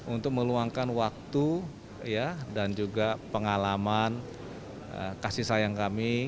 untuk meluangkan waktu dan juga pengalaman kasih sayang kami